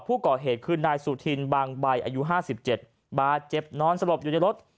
ผู้ก่อเหตุคือนายสุธินบางใบอายุ๕๗บาดเจ็บนอนสลบอยู่ในรถ